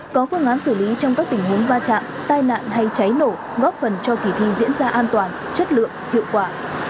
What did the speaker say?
có phương án xử lý trong các tình huống va chạm tai nạn hay cháy nổ góp phần cho kỳ thi diễn ra an toàn chất lượng hiệu quả